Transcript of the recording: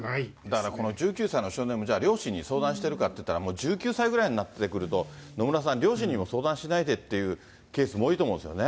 だからこの１９歳の少年も両親に相談してるかっていったら、もう１９歳ぐらいになってくると、野村さん、両親にも相談しないでというケースも多いと思うんですよね。